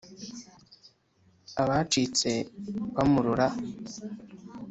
abacitse bamurora!